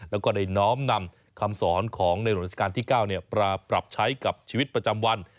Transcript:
แล้วก็ได้น้อมนำคำสอนของในหลวงราชการที่๙ปราปรับใช้กับชีวิตประจำวัน